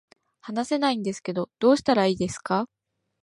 話せないんですけどどうしたらいいですか